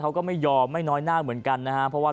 เขาก็ไม่ยอมไม่น้อยน่าเหมือนกันนะครับ